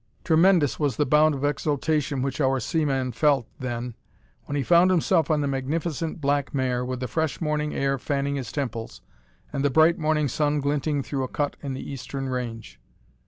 Tremendous was the bound of exultation which our seaman felt, then, when he found himself on the magnificent black mare, with the fresh morning air fanning his temples, and the bright morning sun glinting through a cut in the eastern range.